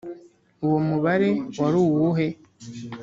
uwo mubare wari uwuhe?